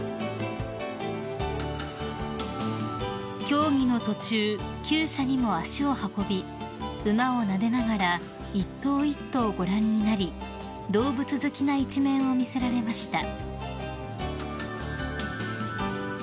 ［競技の途中厩舎にも足を運び馬をなでながら一頭一頭ご覧になり動物好きな一面を見せられました］